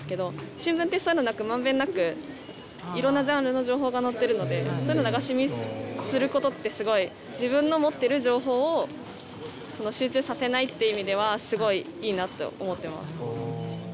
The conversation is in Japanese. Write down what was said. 新聞ってそういうのなく満遍なく色んなジャンルの情報が載ってるのでそういうの流し見する事ってすごい自分の持ってる情報を集中させないっていう意味ではすごいいいなと思ってます。